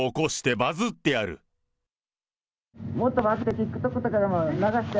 もっと回して、ＴｉｋＴｏｋとかでも流して！